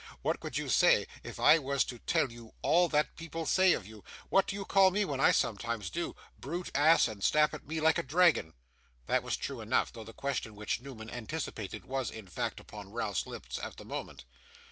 What would you say, if I was to tell you all that people say of you? What do you call me when I sometimes do? "Brute, ass!" and snap at me like a dragon.' This was true enough; though the question which Newman anticipated, was, in fact, upon Ralph's lips at the moment.